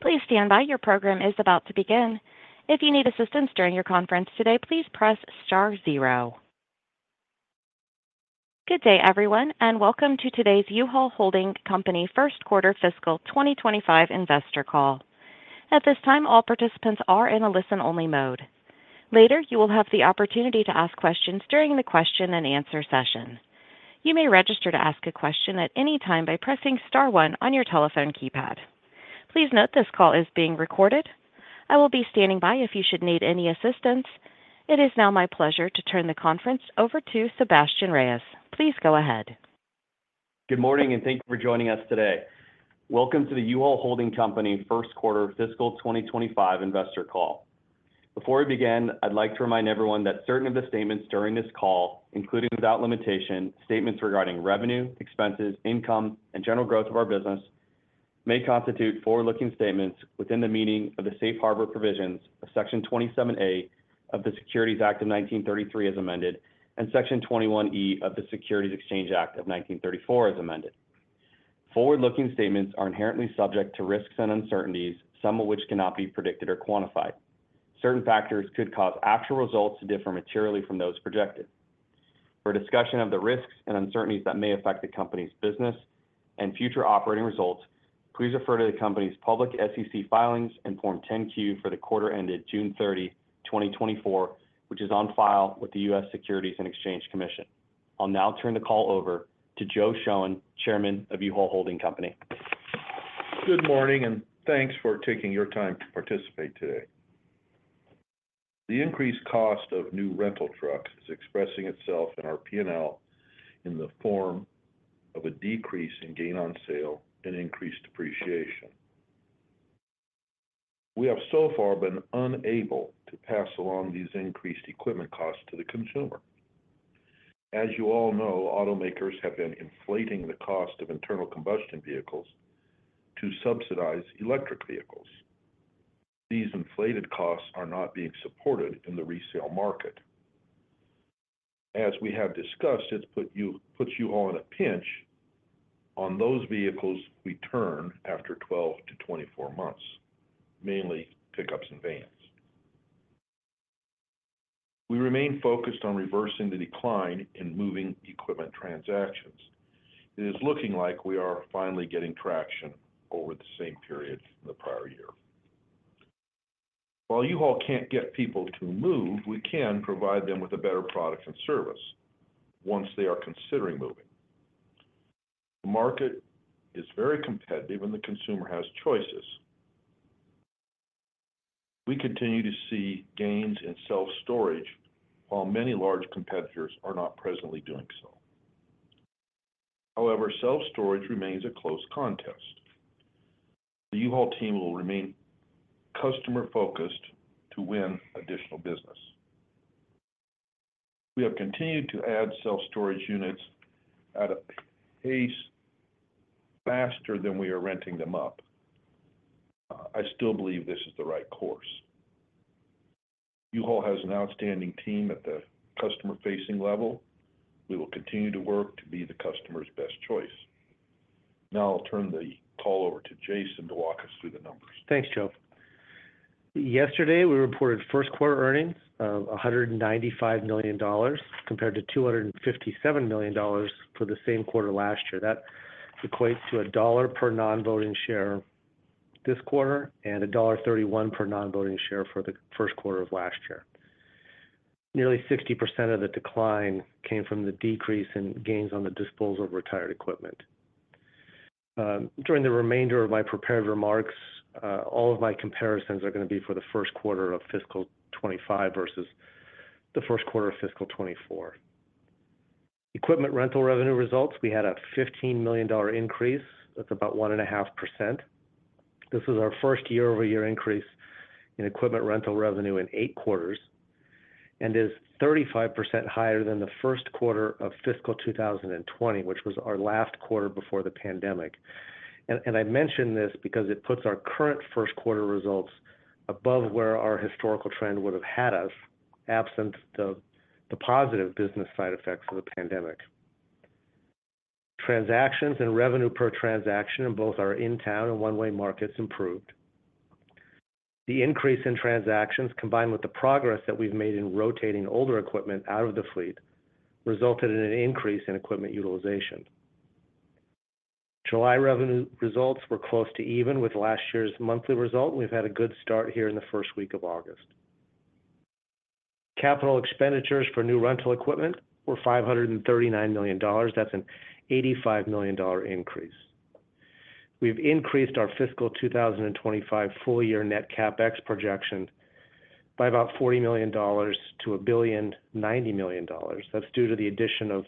Please stand by. Your program is about to begin. If you need assistance during your conference today, please press star zero. Good day, everyone, and welcome to today's U-Haul Holding Company Q1 Fiscal 2025 Investor Call. At this time, all participants are in a listen-only mode. Later, you will have the opportunity to ask questions during the question and answer session. You may register to ask a question at any time by pressing star one on your telephone keypad. Please note, this call is being recorded. I will be standing by if you should need any assistance. It is now my pleasure to turn the conference over to Sebastien Reyes. Please go ahead. Good morning, and thank you for joining us today. Welcome to the U-Haul Holding Company Q1 Fiscal 2025 Investor Call. Before we begin, I'd like to remind everyone that certain of the statements during this call, including without limitation, statements regarding revenue, expenses, income, and general growth of our business, may constitute forward-looking statements within the meaning of the Safe Harbor provisions of Section 27A of the Securities Act of 1933, as amended, and Section 21E of the Securities Exchange Act of 1934, as amended. Forward-looking statements are inherently subject to risks and uncertainties, some of which cannot be predicted or quantified. Certain factors could cause actual results to differ materially from those projected. For a discussion of the risks and uncertainties that may affect the company's business and future operating results, please refer to the company's public SEC filings and Form 10-Q for the quarter ended June 30, 2024, which is on file with the U.S. Securities and Exchange Commission. I'll now turn the call over to Joe Shoen, Chairman of U-Haul Holding Company. Good morning, and thanks for taking your time to participate today. The increased cost of new rental trucks is expressing itself in our P&L in the form of a decrease in gain on sale and increased depreciation. We have so far been unable to pass along these increased equipment costs to the consumer. As you all know, automakers have been inflating the cost of internal combustion vehicles to subsidize electric vehicles. These inflated costs are not being supported in the resale market. As we have discussed, puts U-Haul in a pinch on those vehicles we turn after 12-24 months, mainly pickups and vans. We remain focused on reversing the decline in moving equipment transactions. It is looking like we are finally getting traction over the same period the prior year. While U-Haul can't get people to move, we can provide them with a better product and service once they are considering moving. The market is very competitive, and the consumer has choices. We continue to see gains in self-storage, while many large competitors are not presently doing so. However, self-storage remains a close contest. The U-Haul team will remain customer-focused to win additional business. We have continued to add self-storage units at a pace faster than we are renting them up. I still believe this is the right course. U-Haul has an outstanding team at the customer-facing level. We will continue to work to be the customer's best choice. Now, I'll turn the call over to Jason to walk us through the numbers. Thanks, Joe. Yesterday, we reported first quarter earnings of $195 million, compared to $257 million for the same quarter last year. That equates to $1 per non-voting share this quarter, and $1.31 per non-voting share for the first quarter of last year. Nearly 60% of the decline came from the decrease in gains on the disposal of retired equipment. During the remainder of my prepared remarks, all of my comparisons are going to be for the first quarter of fiscal 2025 versus the first quarter of fiscal 2024. Equipment rental revenue results, we had a $15 million increase. That's about 1.5%. This is our first year-over-year increase in equipment rental revenue in 8 quarters and is 35% higher than the first quarter of fiscal 2020, which was our last quarter before the pandemic. I mention this because it puts our current first quarter results above where our historical trend would have had us, absent the positive business side effects of the pandemic. Transactions and revenue per transaction in both our in-town and one-way markets improved. The increase in transactions, combined with the progress that we've made in rotating older equipment out of the fleet, resulted in an increase in equipment utilization. July revenue results were close to even with last year's monthly result, and we've had a good start here in the first week of August. Capital expenditures for new rental equipment were $539 million. That's a $85 million dollar increase. We've increased our fiscal 2025 full year net CapEx projection by about $40 million to $1.09 billion. That's due to the addition of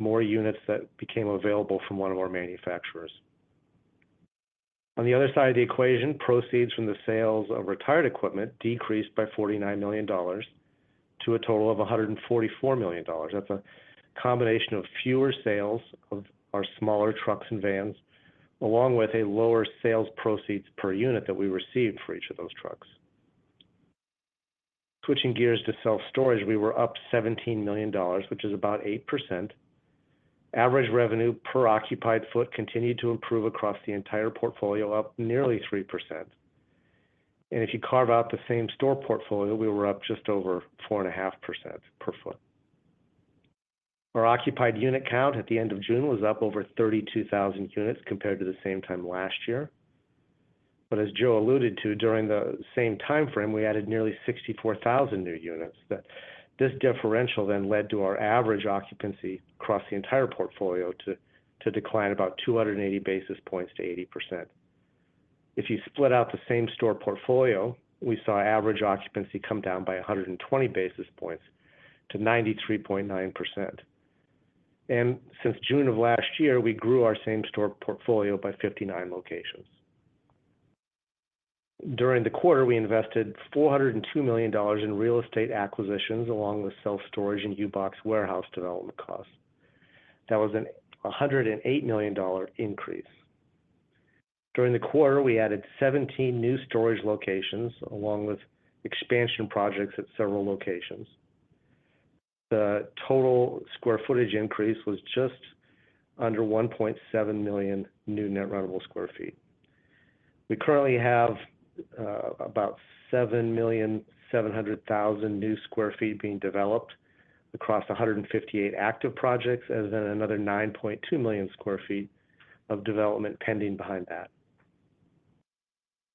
more units that became available from one of our manufacturers. On the other side of the equation, proceeds from the sales of retired equipment decreased by $49 million to a total of $144 million. That's a combination of fewer sales of our smaller trucks and vans, along with a lower sales proceeds per unit that we received for each of those trucks. Switching gears to self-storage, we were up $17 million, which is about 8%. Average revenue per occupied foot continued to improve across the entire portfolio, up nearly 3%. If you carve out the same store portfolio, we were up just over 4.5% per foot. Our occupied unit count at the end of June was up over 32,000 units compared to the same time last year. But as Joe alluded to, during the same time frame, we added nearly 64,000 new units, that this differential then led to our average occupancy across the entire portfolio to decline about 280 basis points to 80%. If you split out the same store portfolio, we saw average occupancy come down by 120 basis points to 93.9%. Since June of last year, we grew our same store portfolio by 59 locations. During the quarter, we invested $402 million in real estate acquisitions, along with self-storage and U-Box warehouse development costs. That was a $108 million increase. During the quarter, we added 17 new storage locations, along with expansion projects at several locations. The total square footage increase was just under 1.7 million new net rentable sq ft. We currently have about 7.7 million new sq ft being developed across 158 active projects, as in another 9.2 million sq ft of development pending behind that.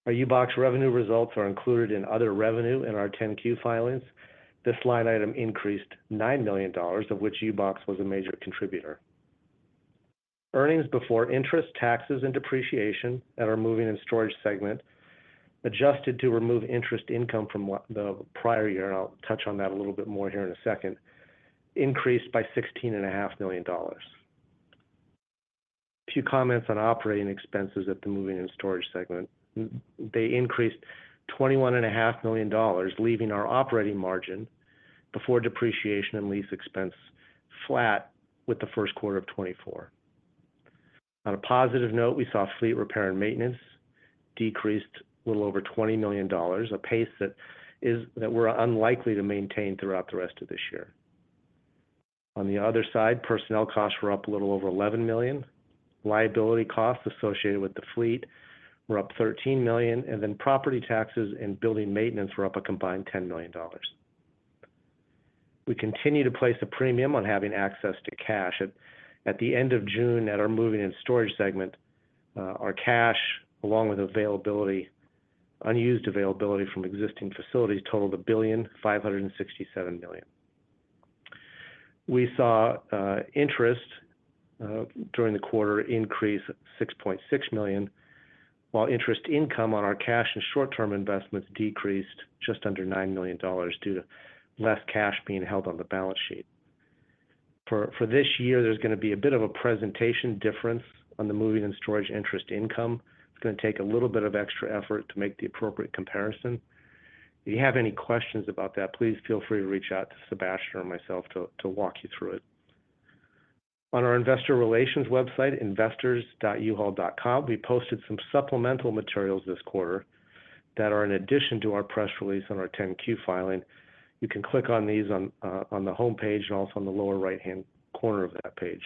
Our U-Box revenue results are included in other revenue in our 10-Q filings. This line item increased $9 million, of which U-Box was a major contributor. Earnings before interest, taxes, and depreciation at our moving and storage segment, adjusted to remove interest income from the prior year, and I'll touch on that a little bit more here in a second, increased by $16.5 million. A few comments on operating expenses at the moving and storage segment. They increased $21.5 million, leaving our operating margin before depreciation and lease expense flat with the first quarter of 2024. On a positive note, we saw fleet repair and maintenance decreased a little over $20 million, a pace that is... That we're unlikely to maintain throughout the rest of this year. On the other side, personnel costs were up a little over $11 million. Liability costs associated with the fleet were up $13 million, and then property taxes and building maintenance were up a combined $10 million. We continue to place a premium on having access to cash. At the end of June, at our moving and storage segment, our cash, along with availability, unused availability from existing facilities, totaled $1.567 billion. We saw interest during the quarter increase $6.6 million, while interest income on our cash and short-term investments decreased just under $9 million due to less cash being held on the balance sheet. For this year, there's going to be a bit of a presentation difference on the moving and storage interest income. It's going to take a little bit of extra effort to make the appropriate comparison. If you have any questions about that, please feel free to reach out to Sebastien or myself to walk you through it. On our investor relations website, investors.uhaul.com, we posted some supplemental materials this quarter that are in addition to our press release and our 10-Q filing. You can click on these on the homepage, and also on the lower right-hand corner of that page.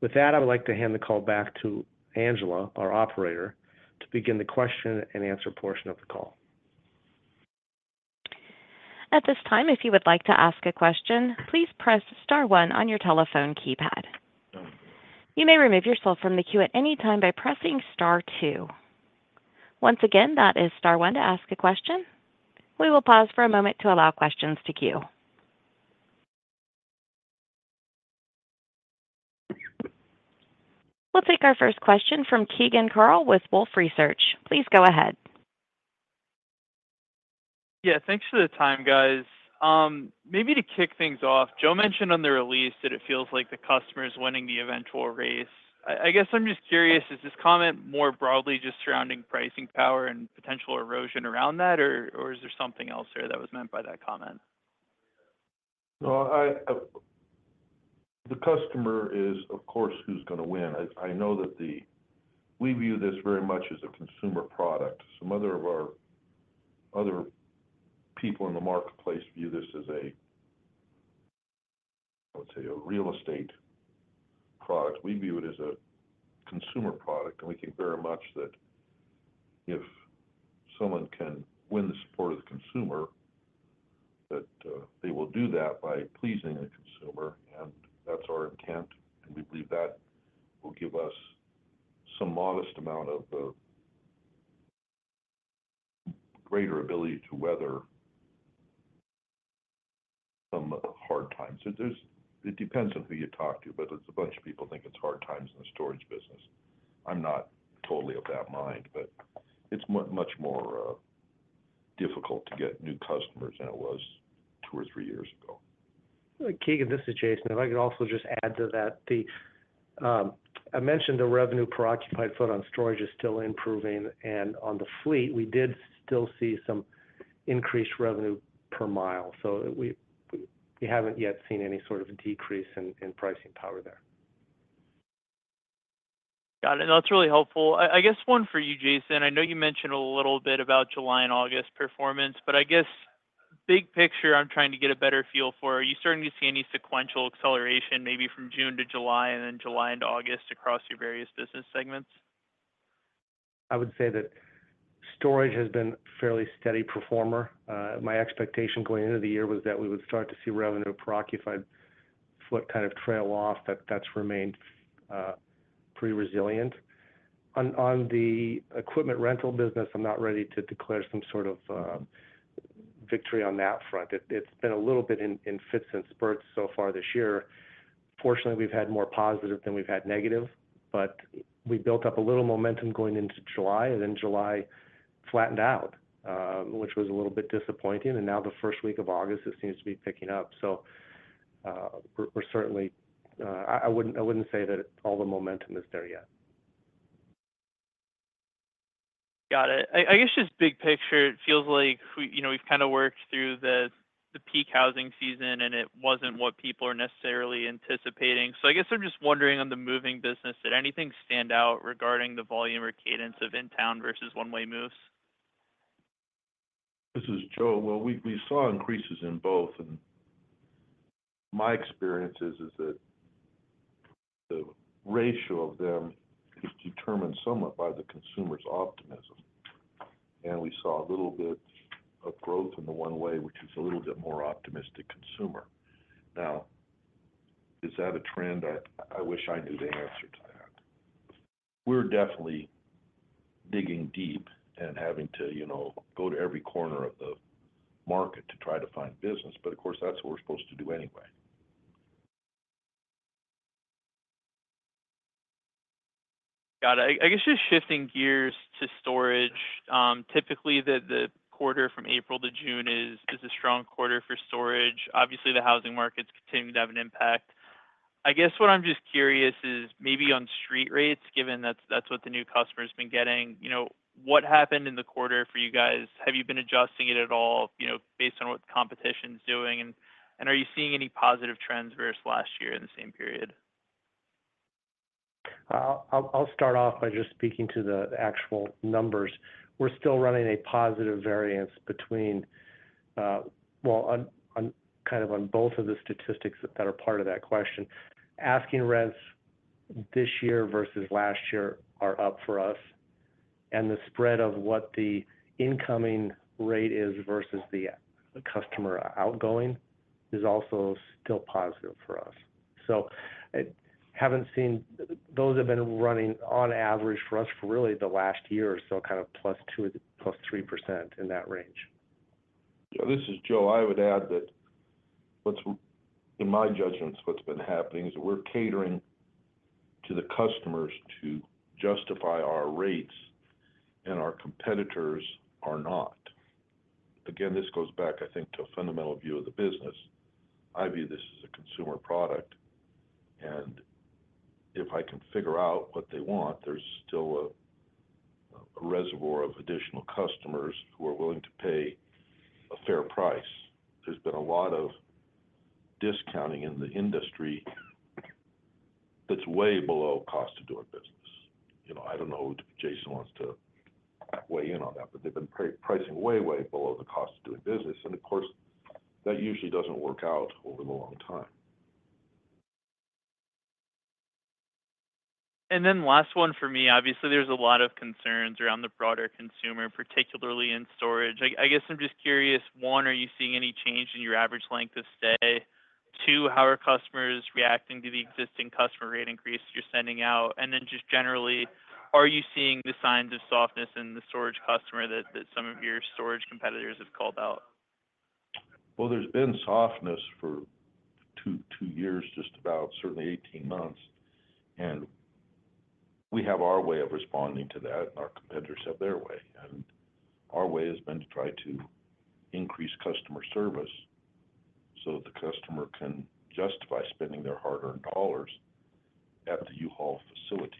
With that, I would like to hand the call back to Angela, our operator, to begin the question and answer portion of the call. At this time, if you would like to ask a question, please press star one on your telephone keypad. You may remove yourself from the queue at any time by pressing star two. Once again, that is star one to ask a question. We will pause for a moment to allow questions to queue. We'll take our first question from Keegan Carl with Wolfe Research. Please go ahead. Yeah, thanks for the time, guys. Maybe to kick things off, Joe mentioned on the release that it feels like the customer is winning the eventual race. I guess I'm just curious, is this comment more broadly just surrounding pricing power and potential erosion around that, or is there something else there that was meant by that comment? No, the customer is, of course, who's going to win. I know that we view this very much as a consumer product. Some other of our other people in the marketplace view this as a, let's say, a real estate product. We view it as a consumer product, and we think very much that if someone can win the support of the consumer, that they will do that by pleasing the consumer, and that's our intent. And we believe that will give us some modest amount of greater ability to weather some hard times. It is. It depends on who you talk to, but there's a bunch of people think it's hard times in the storage business. I'm not totally of that mind, but it's much more difficult to get new customers than it was two or three years ago. Keegan, this is Jason. If I could also just add to that, the I mentioned the revenue per occupied foot on storage is still improving, and on the fleet, we did still see some increased revenue per mile, so we haven't yet seen any sort of decrease in pricing power there.... Got it. No, that's really helpful. I, I guess one for you, Jason. I know you mentioned a little bit about July and August performance, but I guess big picture, I'm trying to get a better feel for, are you starting to see any sequential acceleration, maybe from June to July and then July into August, across your various business segments? I would say that storage has been a fairly steady performer. My expectation going into the year was that we would start to see revenue per occupied foot kind of trail off, but that's remained pretty resilient. On the equipment rental business, I'm not ready to declare some sort of victory on that front. It's been a little bit in fits and spurts so far this year. Fortunately, we've had more positive than we've had negative, but we built up a little momentum going into July, and then July flattened out, which was a little bit disappointing. And now the first week of August, it seems to be picking up. So, we're certainly... I wouldn't say that all the momentum is there yet. Got it. I guess just big picture, it feels like we—you know, we've kind of worked through the peak housing season, and it wasn't what people are necessarily anticipating. So I guess I'm just wondering on the moving business, did anything stand out regarding the volume or cadence of in-town versus one-way moves? This is Joe. Well, we saw increases in both, and my experience is that the ratio of them is determined somewhat by the consumer's optimism. We saw a little bit of growth in the one way, which is a little bit more optimistic consumer. Now, is that a trend? I wish I knew the answer to that. We're definitely digging deep and having to, you know, go to every corner of the market to try to find business. But of course, that's what we're supposed to do anyway. Got it. I guess just shifting gears to storage. Typically, the quarter from April to June is a strong quarter for storage. Obviously, the housing market's continuing to have an impact. I guess what I'm just curious is maybe on street rates, given that's what the new customer's been getting. You know, what happened in the quarter for you guys? Have you been adjusting it at all, you know, based on what the competition's doing? Are you seeing any positive trends versus last year in the same period? I'll start off by just speaking to the actual numbers. We're still running a positive variance between, well, on both of the statistics that are part of that question. Asking rents this year versus last year are up for us, and the spread of what the incoming rate is versus the customer outgoing is also still positive for us. So I haven't seen. Those have been running on average for us for really the last year or so, kind of +2, +3%, in that range. This is Joe. I would add that what's, in my judgment, what's been happening is we're catering to the customers to justify our rates, and our competitors are not. Again, this goes back, I think, to a fundamental view of the business. I view this as a consumer product, and if I can figure out what they want, there's still a reservoir of additional customers who are willing to pay a fair price. There's been a lot of discounting in the industry that's way below cost of doing business. You know, I don't know if Jason wants to weigh in on that, but they've been pricing way, way below the cost of doing business. And of course, that usually doesn't work out over the long time. Then last one for me. Obviously, there's a lot of concerns around the broader consumer, particularly in storage. I guess I'm just curious, one, are you seeing any change in your average length of stay? Two, how are customers reacting to the existing customer rate increase you're sending out? And then just generally, are you seeing the signs of softness in the storage customer that some of your storage competitors have called out? Well, there's been softness for 2, 2 years, just about certainly 18 months, and we have our way of responding to that, and our competitors have their way. Our way has been to try to increase customer service so that the customer can justify spending their hard-earned dollars at the U-Haul facility.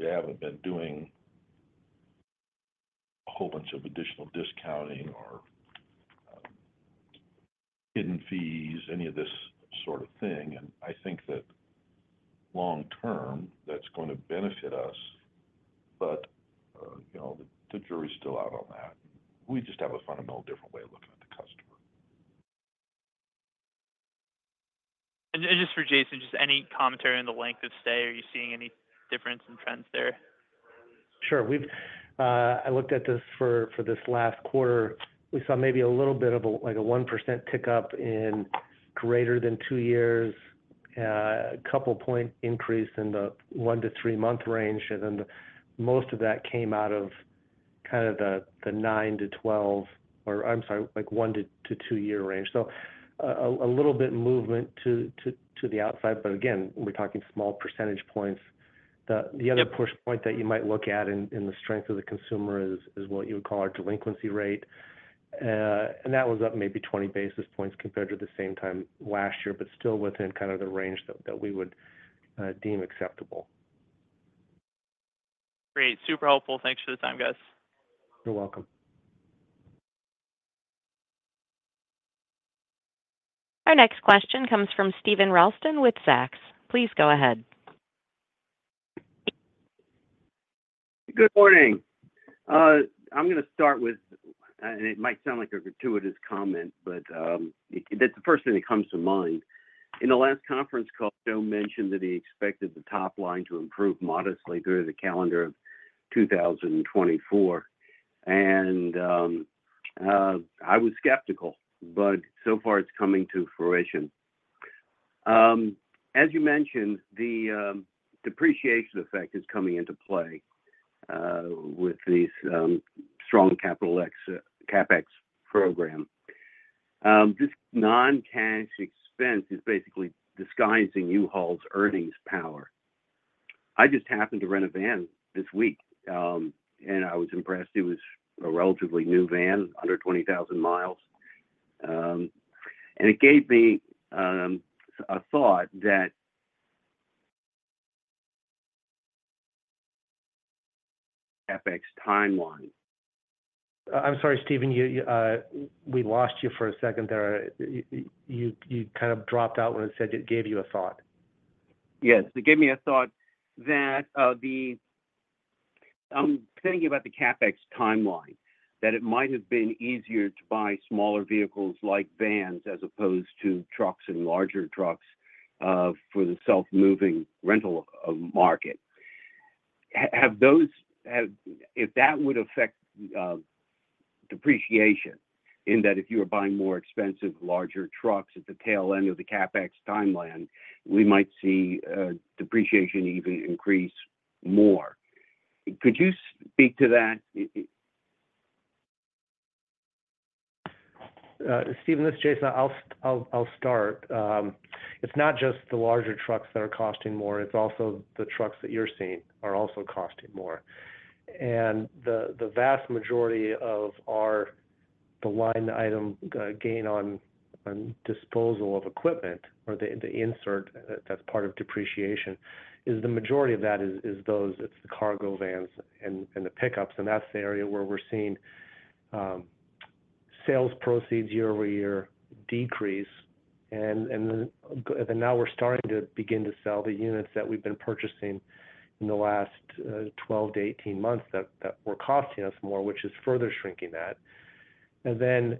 We haven't been doing a whole bunch of additional discounting or, hidden fees, any of this sort of thing, and I think that long term, that's going to benefit us, but, you know, the jury's still out on that. We just have a fundamental different way of looking at the customer. Just for Jason, just any commentary on the length of stay. Are you seeing any difference in trends there? Sure. I looked at this for this last quarter. We saw maybe a little bit of a, like a 1% tick-up in greater than 2 years, a 2-point increase in the 1-3-month range, and then the most of that came out of kind of the 9-12- or I'm sorry, like 1-2-year range. So a little bit movement to the outside, but again, we're talking small percentage points. The other push point that you might look at in the strength of the consumer is what you would call our delinquency rate, and that was up maybe 20 basis points compared to the same time last year, but still within kind of the range that we would deem acceptable. Great. Super helpful. Thanks for the time, guys. You're welcome. Our next question comes from Steven Ralston with Zacks. Please go ahead. Good morning. I'm going to start with and it might sound like a gratuitous comment, but that's the first thing that comes to mind. In the last conference call, Joe mentioned that he expected the top line to improve modestly through the calendar of 2024, and I was skeptical, but so far it's coming to fruition. As you mentioned, the depreciation effect is coming into play with these strong CapEx program. This non-cash expense is basically disguising U-Haul's earnings power. I just happened to rent a van this week, and I was impressed. It was a relatively new van, under 20,000 miles. And it gave me a thought that... CapEx timeline. I'm sorry, Steven, we lost you for a second there. You kind of dropped out when it said, "It gave you a thought. Yes. It gave me a thought that, I'm thinking about the CapEx timeline, that it might have been easier to buy smaller vehicles like vans as opposed to trucks and larger trucks, for the self-moving rental market. If that would affect depreciation, in that if you are buying more expensive, larger trucks at the tail end of the CapEx timeline, we might see, depreciation even increase more. Could you speak to that? Steven, this is Jason. I'll start. It's not just the larger trucks that are costing more, it's also the trucks that you're seeing are also costing more. And the vast majority of our, the line item, gain on disposal of equipment or the insert that's part of depreciation, is the majority of that is those, it's the cargo vans and the pickups, and that's the area where we're seeing sales proceeds year-over-year decrease. And then now we're starting to begin to sell the units that we've been purchasing in the last 12-18 months, that were costing us more, which is further shrinking that. Then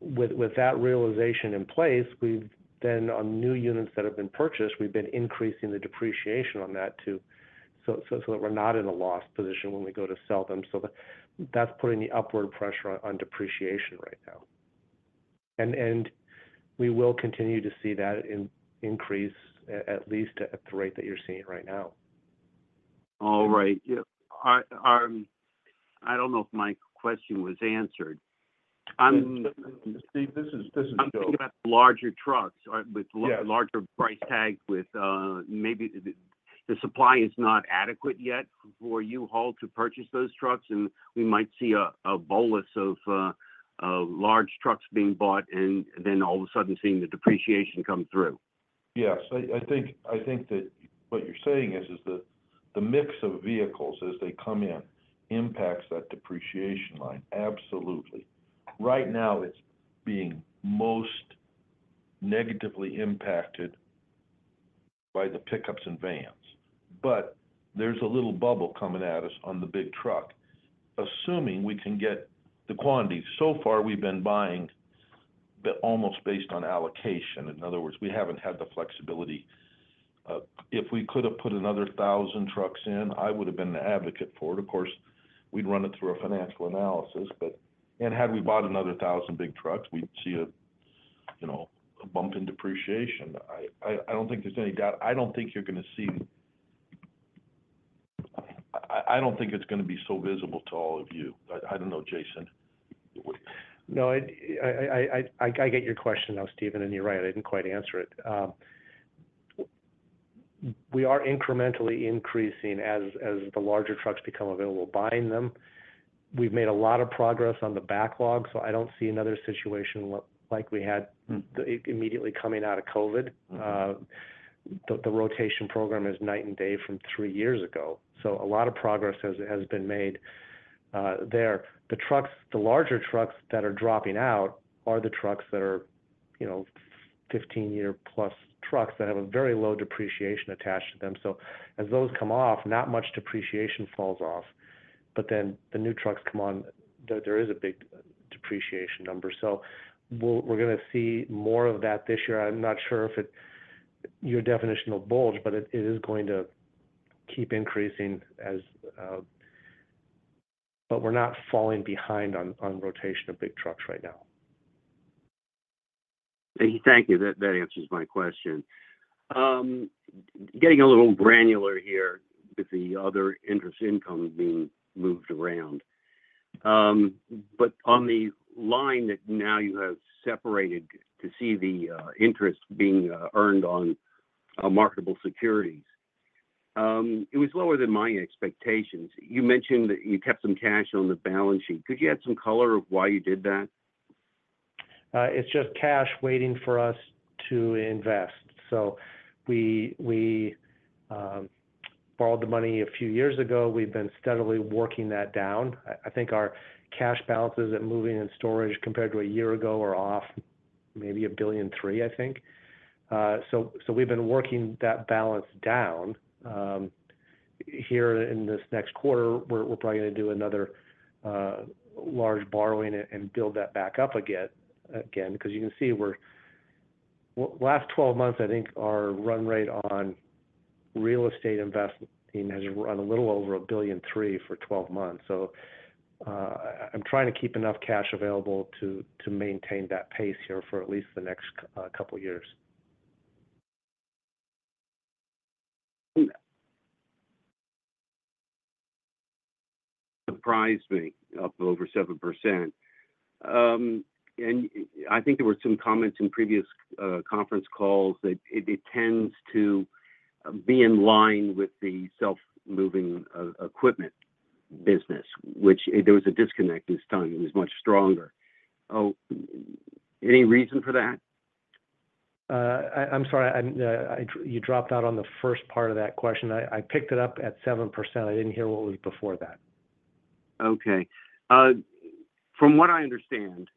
with that realization in place, we've then on new units that have been purchased, we've been increasing the depreciation on that too, so that we're not in a loss position when we go to sell them. That's putting the upward pressure on depreciation right now. And we will continue to see that increase, at least at the rate that you're seeing right now. All right. Yeah. I, I don't know if my question was answered. I'm- Steve, this is, this is Joe. I'm talking about larger trucks or- Yes... with larger price tags, with maybe the supply is not adequate yet for U-Haul to purchase those trucks, and we might see a bolus of large trucks being bought, and then all of a sudden seeing the depreciation come through. Yes. I, I think, I think that what you're saying is, is that the mix of vehicles as they come in impacts that depreciation line. Absolutely. Right now, it's being most negatively impacted by the pickups and vans, but there's a little bubble coming at us on the big truck. Assuming we can get the quantity, so far, we've been buying the, almost based on allocation. In other words, we haven't had the flexibility. If we could have put another 1,000 trucks in, I would have been an advocate for it. Of course, we'd run it through a financial analysis, but... And had we bought another 1,000 big trucks, we'd see a, you know, a bump in depreciation. I, I, I don't think there's any doubt. I don't think you're going to see... I, I, I don't think it's going to be so visible to all of you. I don't know, Jason. No, I get your question now, Steven, and you're right, I didn't quite answer it. We are incrementally increasing as the larger trucks become available, buying them. We've made a lot of progress on the backlog, so I don't see another situation look like we had- Mm... immediately coming out of COVID. Mm. The rotation program is night and day from three years ago, so a lot of progress has been made there. The trucks, the larger trucks that are dropping out are the trucks that are, you know, 15-year plus trucks that have a very low depreciation attached to them. So as those come off, not much depreciation falls off, but then the new trucks come on, there is a big depreciation number. So we're going to see more of that this year. I'm not sure if it—your definition of bulge, but it is going to keep increasing as... But we're not falling behind on rotation of big trucks right now. Thank you. That answers my question. Getting a little granular here with the other interest income being moved around. But on the line that now you have separated to see the interest being earned on marketable securities, it was lower than my expectations. You mentioned that you kept some cash on the balance sheet. Could you add some color of why you did that? It's just cash waiting for us to invest. So we borrowed the money a few years ago. We've been steadily working that down. I think our cash balances at moving and storage compared to a year ago are off maybe $1.3 billion, I think. So we've been working that balance down. Here in this next quarter, we're probably gonna do another large borrowing and build that back up again because you can see we're last 12 months, I think our run rate on real estate investing has run a little over $1.3 billion for 12 months. So I'm trying to keep enough cash available to maintain that pace here for at least the next couple of years. Surprised me, up over 7%. And I think there were some comments in previous conference calls that it tends to be in line with the self-moving equipment business, which there was a disconnect this time. It was much stronger. Any reason for that? I'm sorry, you dropped out on the first part of that question. I picked it up at 7%. I didn't hear what was before that. Okay. From what I understand,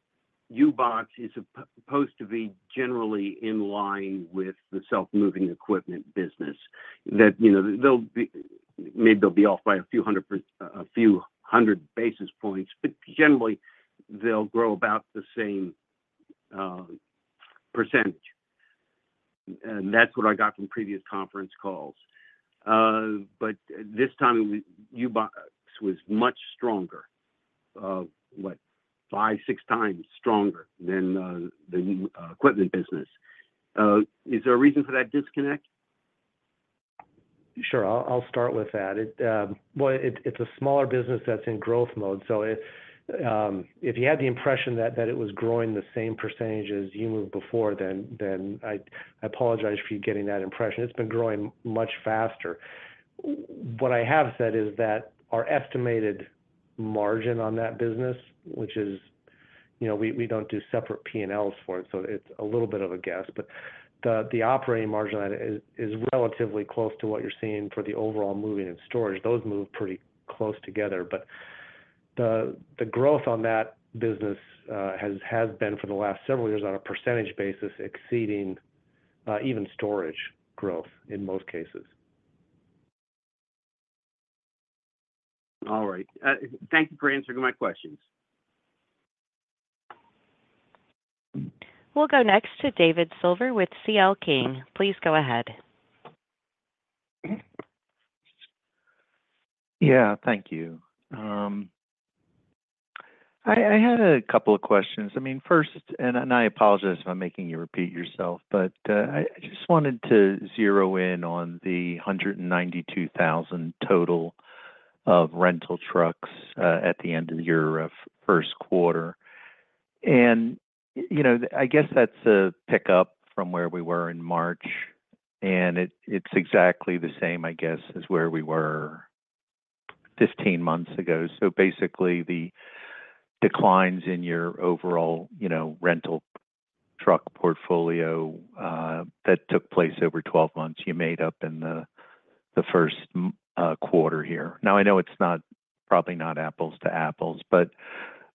U-Box is supposed to be generally in line with the self-moving equipment business. That, you know, they'll be—maybe they'll be off by a few hundred basis points, but generally, they'll grow about the same percentage. And that's what I got from previous conference calls. But this time, U-Box was much stronger, what? 5-6 times stronger than the equipment business. Is there a reason for that disconnect? Sure, I'll start with that. It. Well, it, it's a smaller business that's in growth mode, so if you had the impression that it was growing the same percentage as you moved before then, then I apologize for you getting that impression. It's been growing much faster. What I have said is that our estimated margin on that business, which is, you know, we don't do separate P&Ls for it, so it's a little bit of a guess, but the operating margin on it is relatively close to what you're seeing for the overall moving and storage. Those move pretty close together, but the growth on that business has been for the last several years on a percentage basis, exceeding even storage growth in most cases. All right. Thank you for answering my questions. We'll go next to David Silver with CL King. Please go ahead. Yeah, thank you. I had a couple of questions. I mean, first, and I apologize if I'm making you repeat yourself, but I just wanted to zero in on the 192,000 total of rental trucks at the end of the year of first quarter. And, you know, I guess that's a pickup from where we were in March, and it's exactly the same, I guess, as where we were 15 months ago. So basically, the declines in your overall, you know, rental truck portfolio that took place over 12 months, you made up in the first quarter here. Now, I know it's not probably not apples to apples, but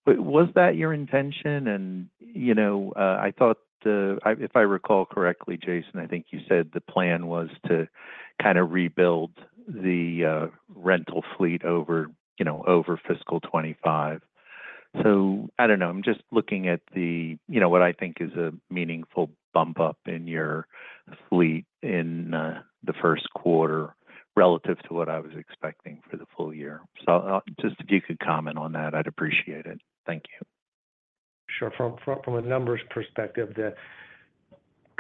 was that your intention? You know, I thought, if I recall correctly, Jason, I think you said the plan was to kinda rebuild the rental fleet over, you know, over fiscal 25. So I don't know. I'm just looking at the, you know, what I think is a meaningful bump up in your fleet in the first quarter relative to what I was expecting for the full year. So, just if you could comment on that, I'd appreciate it. Thank you. Sure. From a numbers perspective, the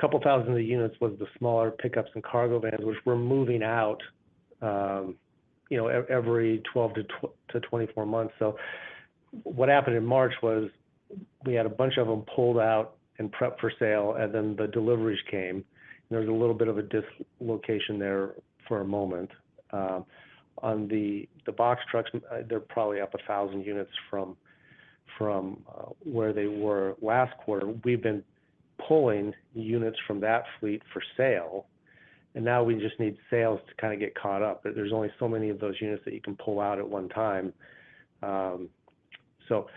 couple thousand of the units was the smaller pickups and cargo vans, which we're moving out, you know, every 12 to 24 months. So what happened in March was we had a bunch of them pulled out and prepped for sale, and then the deliveries came, and there was a little bit of a dislocation there for a moment. On the box trucks, they're probably up 1,000 units from where they were last quarter. We've been pulling units from that fleet for sale, and now we just need sales to kinda get caught up. But there's only so many of those units that you can pull out at one time. So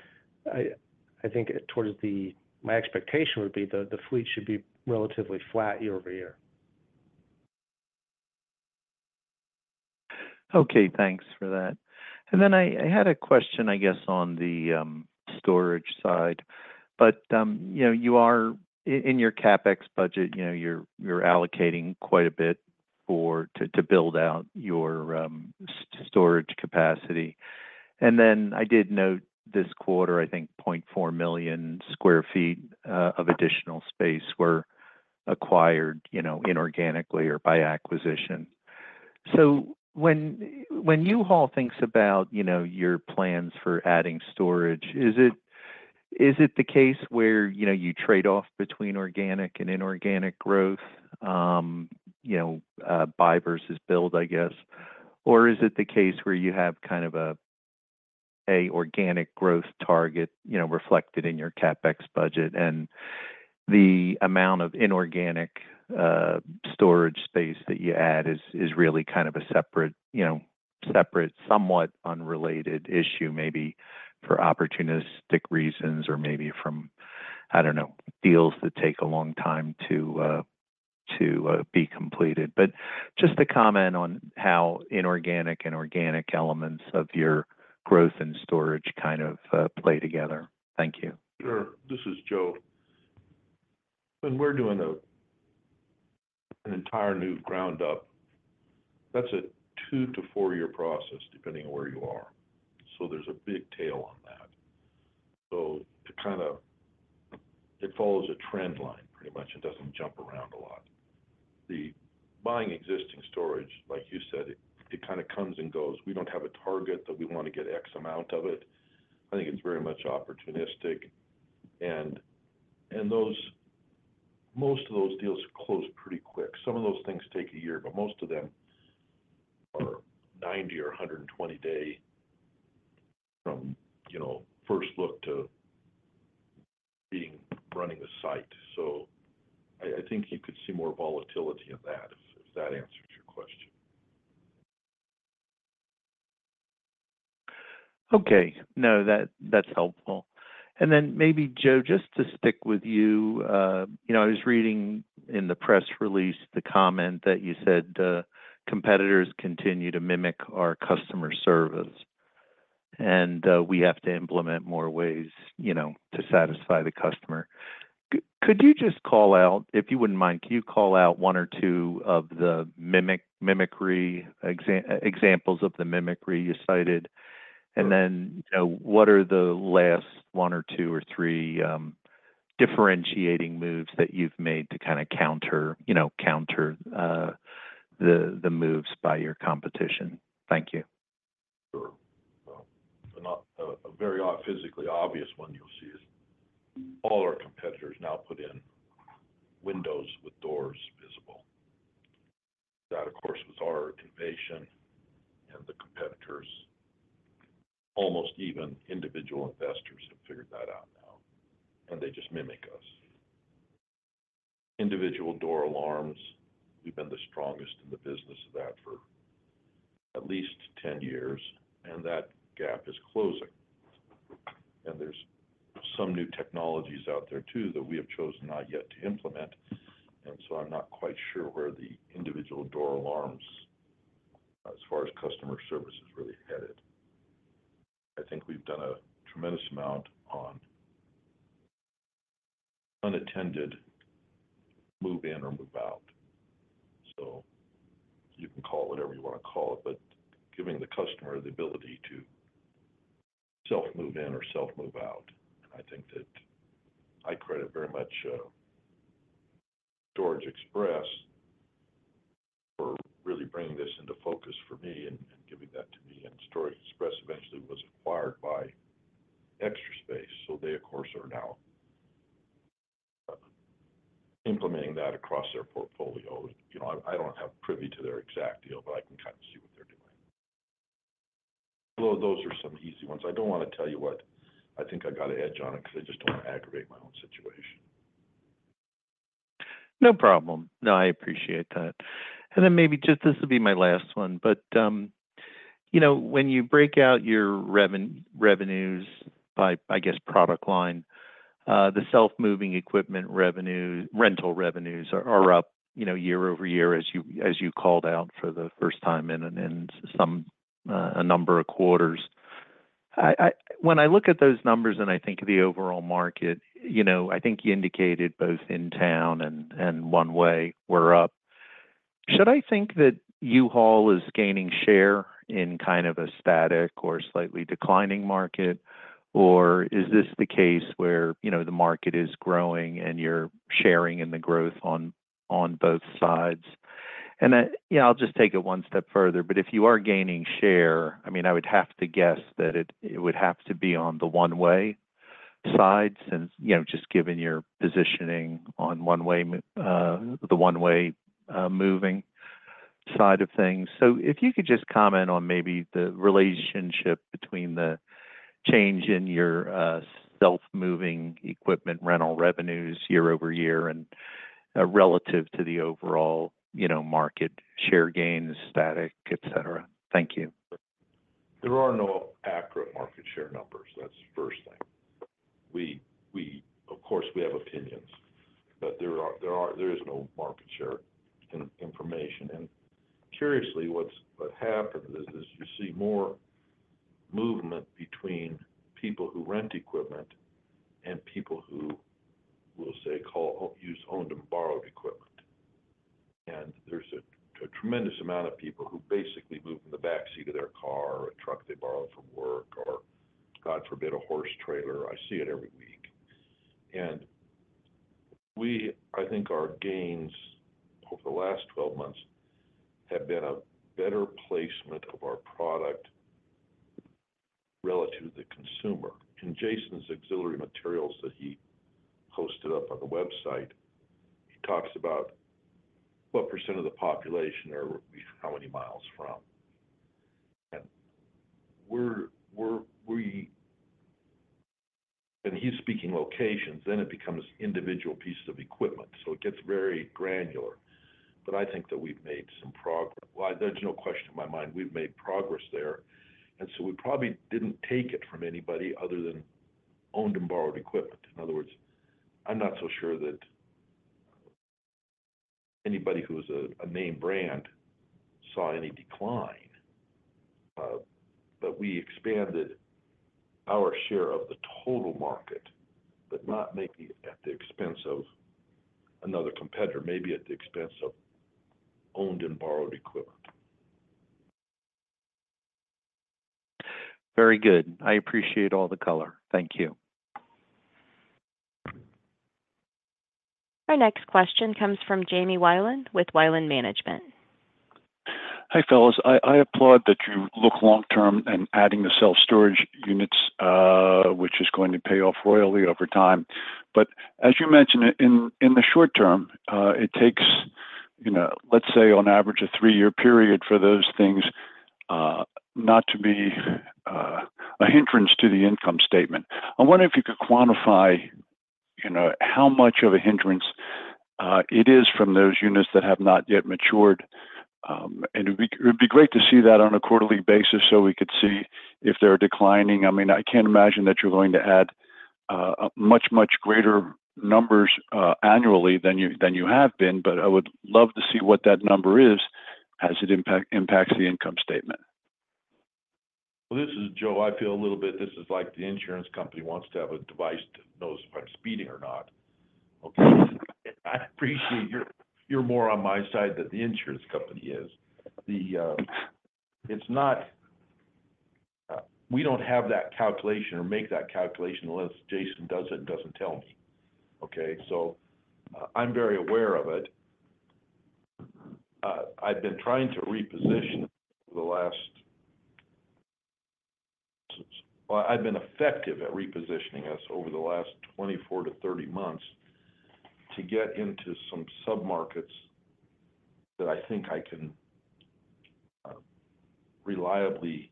I think towards the... My expectation would be the fleet should be relatively flat year-over-year. Okay, thanks for that. And then I had a question, I guess, on the storage side. But you know, you are in your CapEx budget, you know, you're allocating quite a bit for to build out your storage capacity. And then I did note this quarter, I think 0.4 million sq ft of additional space were acquired, you know, inorganically or by acquisition. So when U-Haul thinks about, you know, your plans for adding storage, is it the case where you trade off between organic and inorganic growth? You know, buy versus build, I guess. Or is it the case where you have kind of a... An organic growth target, you know, reflected in your CapEx budget, and the amount of inorganic storage space that you add is really kind of a separate, you know, separate, somewhat unrelated issue, maybe for opportunistic reasons or maybe from, I don't know, deals that take a long time to be completed. But just a comment on how inorganic and organic elements of your growth and storage kind of play together. Thank you. Sure. This is Joe. When we're doing an entire new ground up, that's a 2- to 4-year process, depending on where you are. So there's a big tail on that. So to kinda, it follows a trend line, pretty much, it doesn't jump around a lot. The buying existing storage, like you said, it, it kinda comes and goes. We don't have a target that we want to get X amount of it. I think it's very much opportunistic. And, and those, most of those deals close pretty quick. Some of those things take a year, but most of them are 90 or 120 day from, you know, first look to being, running a site. So I, I think you could see more volatility in that, if, if that answers your question. Okay. No, that, that's helpful. And then maybe, Joe, just to stick with you, you know, I was reading in the press release, the comment that you said, "Competitors continue to mimic our customer service, and we have to implement more ways, you know, to satisfy the customer." Could you just call out—If you wouldn't mind, can you call out one or two of the mimicry examples of the mimicry you cited? Sure. And then, what are the last one or two or three differentiating moves that you've made to kinda counter, you know, counter the moves by your competition? Thank you. Sure. Well, a not very obviously physically obvious one you'll see is, all our competitors now put in windows with doors visible. That, of course, was our innovation, and the competitors, almost even individual investors, have figured that out now, and they just mimic us. Individual door alarms, we've been the strongest in the business of that for at least 10 years, and that gap is closing. And there's some new technologies out there, too, that we have chosen not yet to implement, and so I'm not quite sure where the individual door alarms, as far as customer service, is really headed. I think we've done a tremendous amount on unattended move-in or move-out. So you can call it whatever you wanna call it, but giving the customer the ability to self move-in or self move-out, I think that I credit very much, Storage Express for really bringing this into focus for me and, and giving that to me. And Storage Express eventually was acquired by Extra Space, so they, of course, are now, implementing that across their portfolio. You know, I, I don't have privy to their exact deal, but I can kind of see what they're doing. Well, those are some easy ones. I don't wanna tell you what I think I got an edge on it, because I just don't want to aggravate my own situation. No problem. No, I appreciate that. And then maybe just... This will be my last one. But, you know, when you break out your revenues by, I guess, product line, the self-moving equipment rental revenues are up, you know, year-over-year, as you, as you called out for the first time in an, in some, a number of quarters. When I look at those numbers and I think of the overall market, you know, I think you indicated both in town and one-way were up. Should I think that U-Haul is gaining share in kind of a static or slightly declining market? Or is this the case where, you know, the market is growing and you're sharing in the growth on both sides? And then, yeah, I'll just take it one step further: but if you are gaining share, I mean, I would have to guess that it, it would have to be on the one-way side, since, you know, just given your positioning on one-way moving side of things. So if you could just comment on maybe the relationship between the change in your self-moving equipment rental revenues year over year and relative to the overall, you know, market share gains, static, et cetera. Thank you. There are no accurate market share numbers, that's the first thing. We-- Of course, we have opinions, but there is no market share information. And curiously, what happened is you see more movement between people who rent equipment and people who will, say, haul, use owned and borrowed equipment. And there's a tremendous amount of people who basically move in the back seat of their car or a truck they borrow from work, or God forbid, a horse trailer. I see it every week. And we... I think our gains over the last 12 months have been a better placement of our product relative to the consumer. In Jason's auxiliary materials that he posted up on the website, he talks about-... What % of the population are we, how many miles from? He's speaking locations, then it becomes individual pieces of equipment, so it gets very granular. But I think that we've made some progress. Well, there's no question in my mind, we've made progress there, and so we probably didn't take it from anybody other than owned and borrowed equipment. In other words, I'm not so sure that anybody who is a name brand saw any decline, but we expanded our share of the total market, but not maybe at the expense of another competitor, maybe at the expense of owned and borrowed equipment. Very good. I appreciate all the color. Thank you. Our next question comes from James Wilen with Wilen Management. Hi, fellas. I applaud that you look long term in adding the self-storage units, which is going to pay off royally over time. But as you mentioned it, in the short term, it takes, you know, let's say on average, a 3-year period for those things, not to be a hindrance to the income statement. I wonder if you could quantify, you know, how much of a hindrance it is from those units that have not yet matured. And it would be great to see that on a quarterly basis so we could see if they're declining. I mean, I can't imagine that you're going to add a much greater numbers annually than you have been, but I would love to see what that number is, as it impacts the income statement. Well, this is Joe. I feel a little bit this is like the insurance company wants to have a device that knows if I'm speeding or not, okay? I appreciate you're more on my side than the insurance company is. It's not, we don't have that calculation or make that calculation unless Jason does it and doesn't tell me, okay? So I'm very aware of it. Well, I've been effective at repositioning us over the last 24-30 months to get into some submarkets that I think I can reliably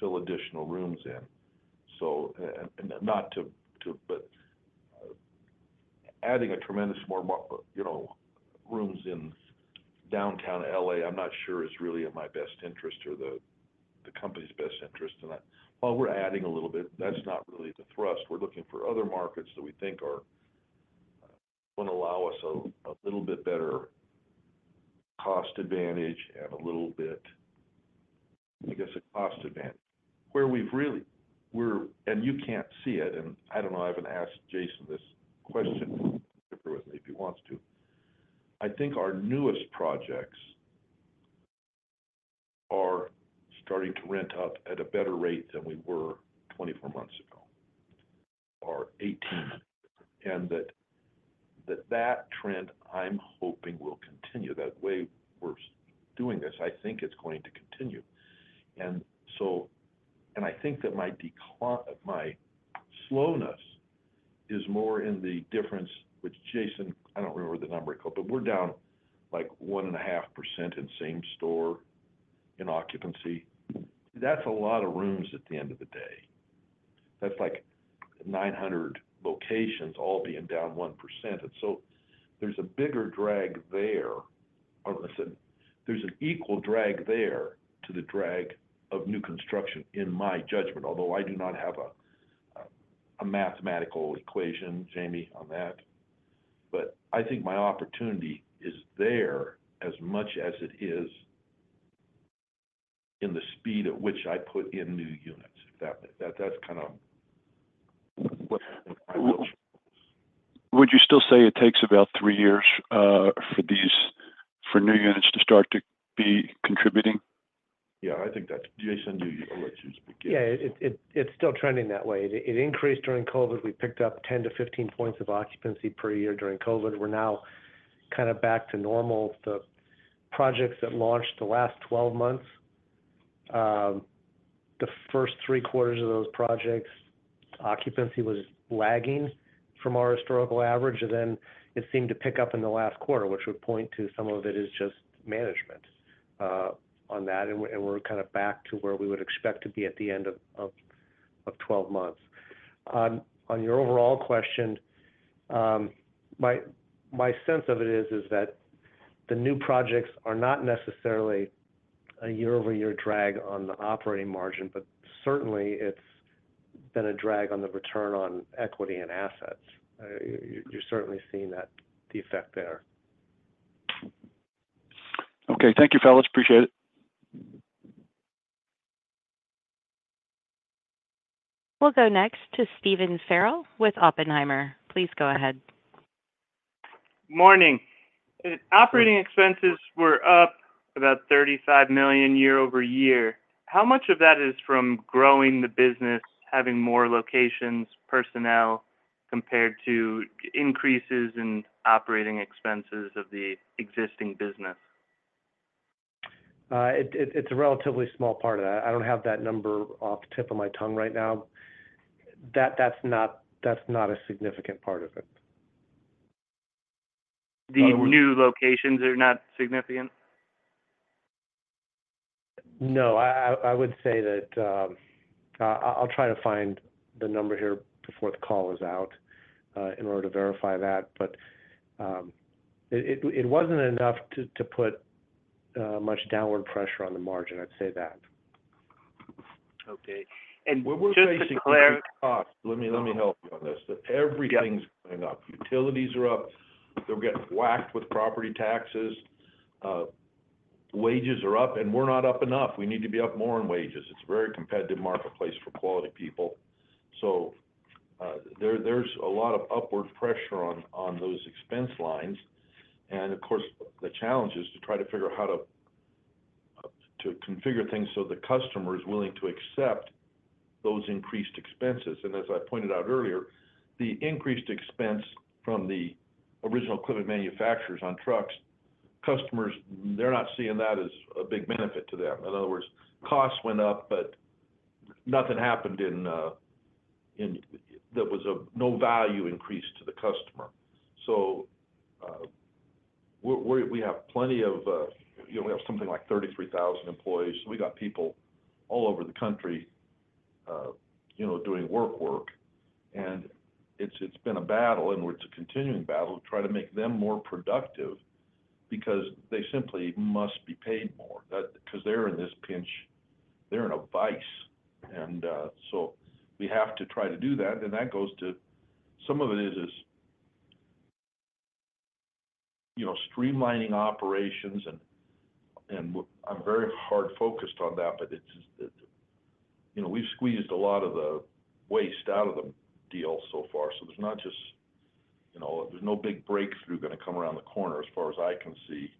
fill additional rooms in. So, and not to, but, adding a tremendous more, you know, rooms in downtown L.A., I'm not sure is really in my best interest or the company's best interest in that. While we're adding a little bit, that's not really the thrust. We're looking for other markets that we think are gonna allow us a little bit better cost advantage and a little bit, I guess, a cost advantage. Where we've really—we're, and you can't see it, and I don't know, I haven't asked Jason this question, agree with me if he wants to. I think our newest projects are starting to rent up at a better rate than we were 24 months ago, or 18. And that, that, that trend, I'm hoping, will continue, that way we're doing this, I think it's going to continue. And so—and I think that my decline, my slowness is more in the difference, which Jason, I don't remember the number it called, but we're down, like, 1.5% in same store in occupancy. That's a lot of rooms at the end of the day. That's like 900 locations all being down 1%. And so there's a bigger drag there, or I said, there's an equal drag there to the drag of new construction in my judgment, although I do not have a, a mathematical equation, Jamie, on that. But I think my opportunity is there as much as it is in the speed at which I put in new units. That's kinda what- Would you still say it takes about three years for these, for new units to start to be contributing? Yeah, I think that's... Jason, do you want to speak in? Yeah, it it's still trending that way. It increased during COVID. We picked up 10-15 points of occupancy per year during COVID. We're now kinda back to normal. The projects that launched the last 12 months, the first three quarters of those projects, occupancy was lagging from our historical average, and then it seemed to pick up in the last quarter, which would point to some of it is just management on that, and we're kind of back to where we would expect to be at the end of 12 months. On your overall question, my sense of it is that the new projects are not necessarily a year-over-year drag on the operating margin, but certainly it's been a drag on the return on equity and assets. You certainly seen that, the effect there. Okay. Thank you, fellas. Appreciate it. We'll go next to Stephen Farrell with Oppenheimer. Please go ahead. Morning. Operating expenses were up about $35 million year-over-year. How much of that is from growing the business, having more locations, personnel, compared to increases in operating expenses of the existing business? ... It's a relatively small part of that. I don't have that number off the tip of my tongue right now. That's not a significant part of it. The new locations are not significant? No, I would say that, I'll try to find the number here before the call is out, in order to verify that. But, it wasn't enough to put much downward pressure on the margin, I'd say that. Okay. And just to clarify- Well, we're facing costs. Let me, let me help you on this. Yeah. Everything's going up. Utilities are up, they're getting whacked with property taxes. Wages are up, and we're not up enough. We need to be up more on wages. It's a very competitive marketplace for quality people. So, there, there's a lot of upward pressure on, on those expense lines. And of course, the challenge is to try to figure out how to configure things so the customer is willing to accept those increased expenses. And as I pointed out earlier, the increased expense from the original equipment manufacturers on trucks, customers, they're not seeing that as a big benefit to them. In other words, costs went up, but nothing happened in, there was a no value increase to the customer. So, we have plenty of, you know, we have something like 33,000 employees. So we got people all over the country, you know, doing work, work. And it's been a battle, and it's a continuing battle to try to make them more productive because they simply must be paid more. That because they're in this pinch, they're in a vice, and so we have to try to do that, and that goes to... Some of it is, you know, streamlining operations, and we're I'm very hard focused on that, but it, you know, we've squeezed a lot of the waste out of the deal so far. So there's not just, you know, there's no big breakthrough going to come around the corner as far as I can see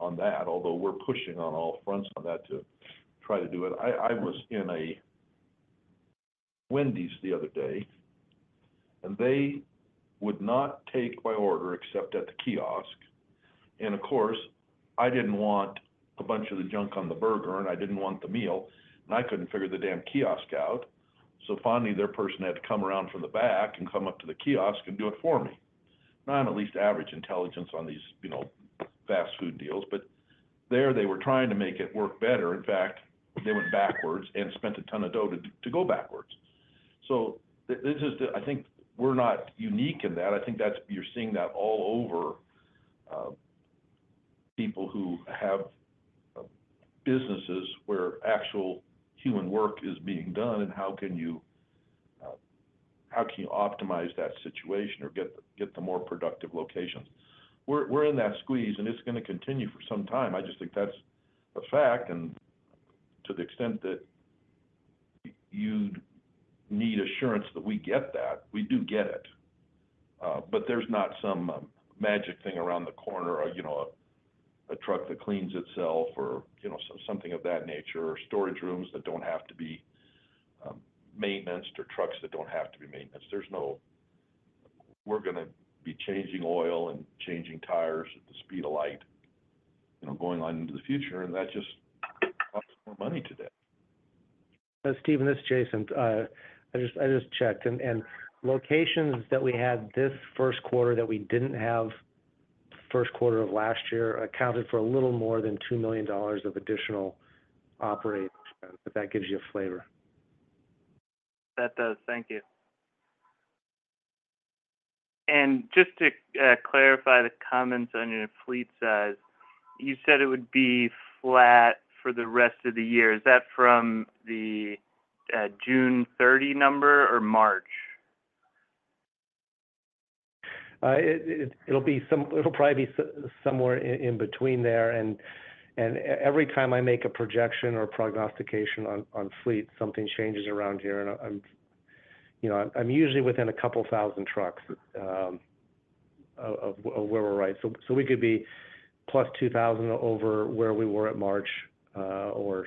on that, although we're pushing on all fronts on that to try to do it. I was in a Wendy's the other day, and they would not take my order except at the kiosk. And of course, I didn't want a bunch of the junk on the burger, and I didn't want the meal, and I couldn't figure the damn kiosk out. So finally, their person had to come around from the back and come up to the kiosk and do it for me. Now, I'm at least average intelligence on these, you know, fast food deals, but there they were trying to make it work better. In fact, they went backwards and spent a ton of dough to go backwards. So this is the—I think we're not unique in that. I think that's—you're seeing that all over, people who have, businesses where actual human work is being done, and how can you, how can you optimize that situation or get the, get the more productive locations? We're in that squeeze, and it's going to continue for some time. I just think that's a fact, and to the extent that you'd need assurance that we get that, we do get it. But there's not some, magic thing around the corner, you know, a truck that cleans itself or, you know, something of that nature, or storage rooms that don't have to be, maintained, or trucks that don't have to be maintained. There's no—we're going to be changing oil and changing tires at the speed of light, you know, going on into the future, and that just costs more money today. Steven, this is Jason. I just checked, and locations that we had this first quarter that we didn't have the first quarter of last year accounted for a little more than $2 million of additional operating expense, if that gives you a flavor. That does. Thank you. And just to clarify the comments on your fleet size, you said it would be flat for the rest of the year. Is that from the June 30 number or March? It'll probably be somewhere in between there, and every time I make a projection or prognostication on fleet, something changes around here, and you know, I'm usually within a couple thousand trucks of where we're right. So we could be plus 2,000 over where we were at March, or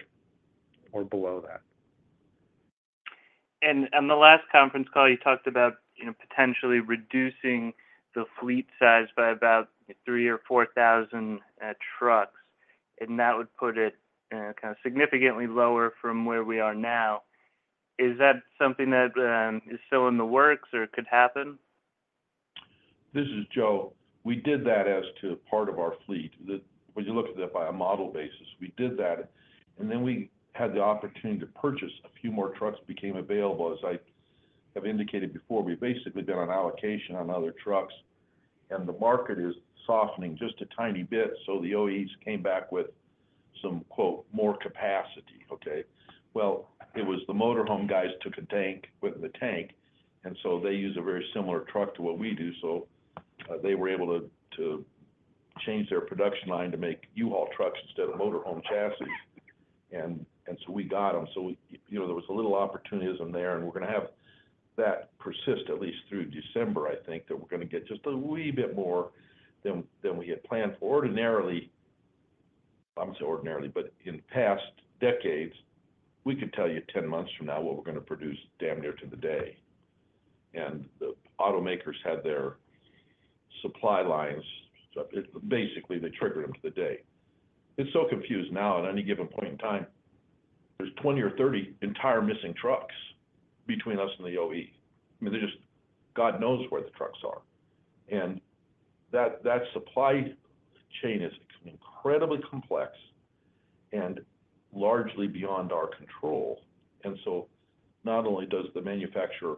below that. And, on the last conference call, you talked about, you know, potentially reducing the fleet size by about 3,000 or 4,000 trucks, and that would put it kinda significantly lower from where we are now. Is that something that is still in the works or it could happen? This is Joe. We did that as to part of our fleet, that when you look at it by a model basis, we did that, and then we had the opportunity to purchase a few more trucks became available. As I have indicated before, we've basically done an allocation on other trucks, and the market is softening just a tiny bit, so the OEs came back with some, quote, "more capacity." Okay. Well, it was the motorhome guys took a tank, with the tank, and so they use a very similar truck to what we do. So they were able to to change their production line to make U-Haul trucks instead of motorhome chassis. And so we got them. So, you know, there was a little opportunism there, and we're going to have that persist at least through December, I think, that we're going to get just a wee bit more than we had planned. Ordinarily, I wouldn't say ordinarily, but in past decades, we could tell you 10 months from now what we're going to produce, damn near to the day. And the automakers had their supply lines, stuff. It, basically, they triggered them to the day. It's so confused now at any given point in time, there's 20 or 30 entire missing trucks between us and the OE. I mean, they just, God knows where the trucks are, and that supply chain has become incredibly complex and largely beyond our control. And so not only does the manufacturer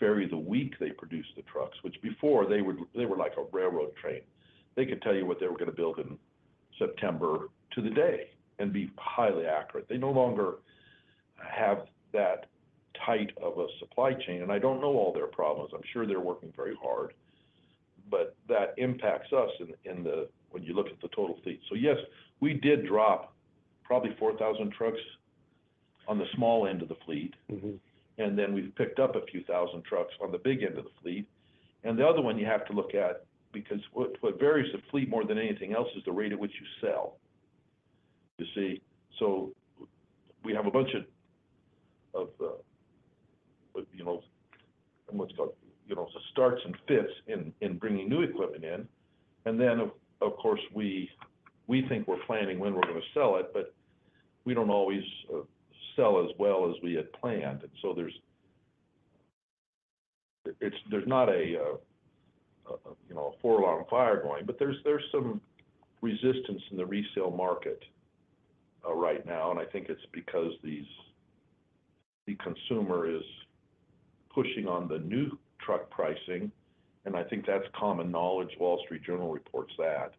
vary the week they produce the trucks, which before they would, they were like a railroad train. They could tell you what they were going to build in September to the day and be highly accurate. They no longer have that tight of a supply chain, and I don't know all their problems. I'm sure they're working very hard, but that impacts us, when you look at the total fleet. So yes, we did drop probably 4,000 trucks on the small end of the fleet. Mm-hmm. Then we've picked up a few thousand trucks on the big end of the fleet. The other one you have to look at, because what varies the fleet more than anything else, is the rate at which you sell. You see, so we have a bunch of what, you know, what's called, you know, starts and fits in bringing new equipment in. Then, of course, we think we're planning when we're going to sell it, but we don't always sell as well as we had planned. So there's not a, you know, a four-alarm fire going, but there's some resistance in the resale market right now, and I think it's because the consumer is pushing on the new truck pricing, and I think that's common knowledge. Wall Street Journal reports that.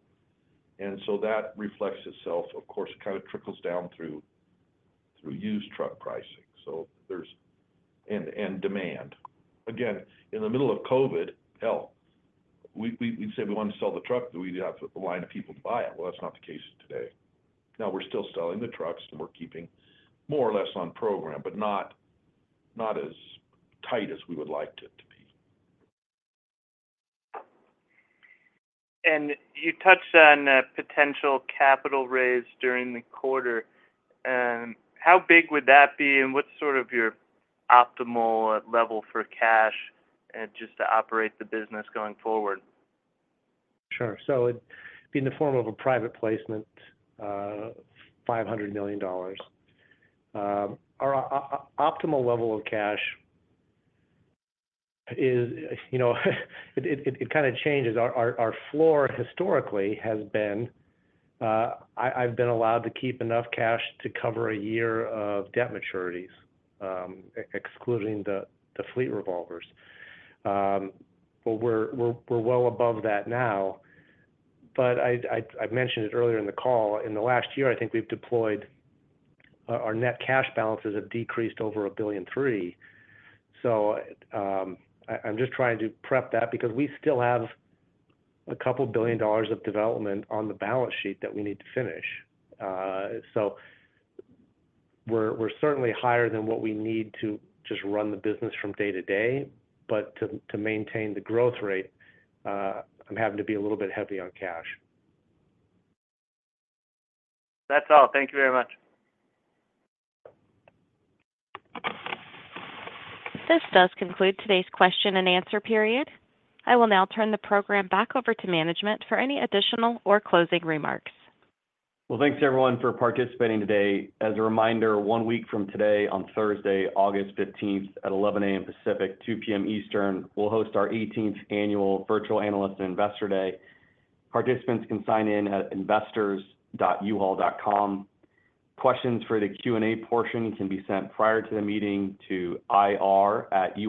And so that reflects itself. Of course, it kind of trickles down through used truck pricing. So there's... and demand. Again, in the middle of COVID, hell, we'd say we wanted to sell the truck, that we'd have the line of people to buy it. Well, that's not the case today. Now, we're still selling the trucks, and we're keeping more or less on program, but not as tight as we would like it to be. You touched on a potential capital raise during the quarter. How big would that be, and what's sort of your optimal level for cash and just to operate the business going forward? Sure. So it'd be in the form of a private placement, $500 million. Our optimal level of cash is, you know, it kinda changes. Our floor historically has been, I've been allowed to keep enough cash to cover a year of debt maturities, excluding the fleet revolvers. But we're well above that now, but I mentioned it earlier in the call. In the last year, I think we've deployed, our net cash balances have decreased over $1.3 billion. So, I'm just trying to prep that because we still have $2 billion of development on the balance sheet that we need to finish. So we're certainly higher than what we need to just run the business from day to day, but to maintain the growth rate, I'm having to be a little bit heavy on cash. That's all. Thank you very much. This does conclude today's question-and-answer period. I will now turn the program back over to management for any additional or closing remarks. Well, thanks, everyone, for participating today. As a reminder, one week from today, on Thursday, August fifteenth, at 11 A.M. Pacific, 2 P.M. Eastern, we'll host our 18th Annual Virtual Analyst and Investor Day. Participants can sign in at investors.uhaul.com. Questions for the Q&A portion can be sent prior to the meeting to ir@uhaul.com.